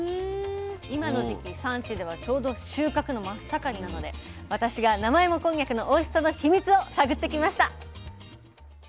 今の時期産地ではちょうど収穫の真っ盛りなので私が生芋こんにゃくのおいしさのヒミツを探ってきました。